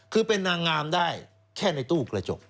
คือเป็นนางงามได้แค่ในตู้กระจก